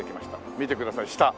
見てください下。